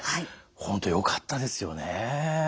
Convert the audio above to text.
本当よかったですよね。